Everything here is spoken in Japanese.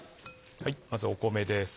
まず米です。